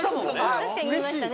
確かに言いましたね